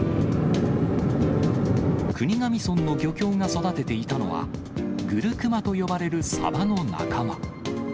国頭村の漁協が育てていたのは、グルクマと呼ばれるサバの仲間。